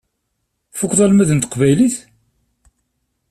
Tfukkeḍ almad n teqbaylit?